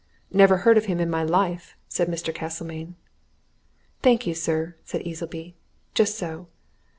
"Never heard of him in my life," said Mr. Castlemayne. "Thank you, sir," said Easleby. "Just so!